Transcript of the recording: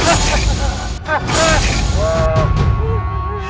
mengapa kalian kepada lagi sendiri